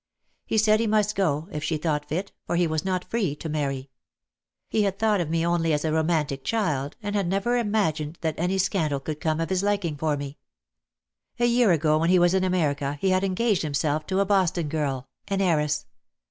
He said he must go, if she thought fit, for he was not free to marry. He had thought of me only as a romantic child, and had never imagined that any scandal could come of his liking for me. A year ago when he was in America he had engaged him self to a Boston girl, an heiress.